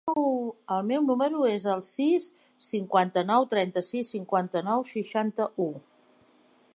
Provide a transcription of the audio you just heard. El meu número es el sis, cinquanta-nou, trenta-sis, cinquanta-nou, seixanta-u.